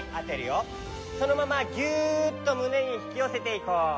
そのままギュッとむねにひきよせていこう。